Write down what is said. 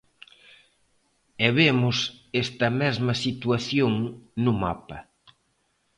E vemos esta mesma situación no mapa.